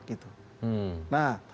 nah tetapi kan memang